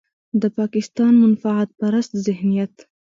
د پاکستان منفعت پرست ذهنيت.